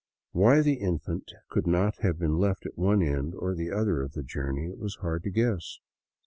Why the infant could not have been left at one end or the other of the journey it was hard to guess.